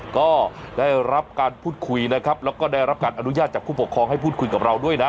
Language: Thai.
ก็ได้รับการพูดคุยนะครับแล้วก็ได้รับการอนุญาตจากผู้ปกครองให้พูดคุยกับเราด้วยนะ